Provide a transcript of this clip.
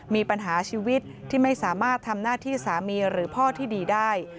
มีปัญหาชีวิตที่ไม่สามารถทำหน้าที่สามีหรือพ่อที่ดีได้